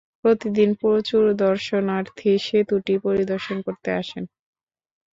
প্রতিদিন প্রচুর দর্শনার্থী সেতুটি পরিদর্শন করতে আসেন।